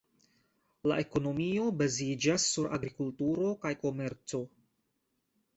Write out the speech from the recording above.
La ekonomio baziĝas sur agrikulturo kaj komerco.